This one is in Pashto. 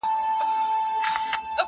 تا کاسه خپله وهلې ده په لته!!